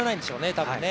多分ね。